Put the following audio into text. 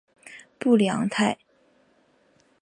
布里昂泰。